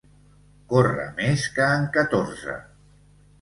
Córrer més que en Catorze.